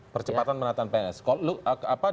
percepatan penataan pns